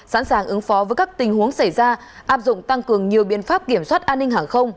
sẵn sàng ứng phó với các tình huống xảy ra áp dụng tăng cường nhiều biện pháp kiểm soát an ninh hàng không